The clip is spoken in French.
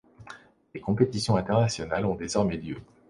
Des compétitions internationales ont désormais lieu.